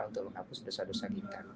untuk menghapus dosa dosa kita